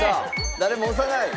誰も押さない。